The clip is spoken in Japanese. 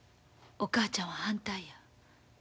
お母ちゃんは反対や。